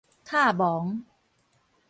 闔雺